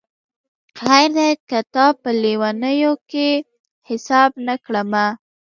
خیر دی که تا په لېونیو کي حساب نه کړمه